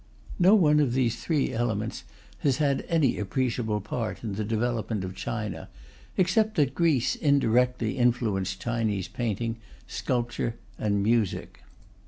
No one of these three elements has had any appreciable part in the development of China, except that Greece indirectly influenced Chinese painting, sculpture, and music.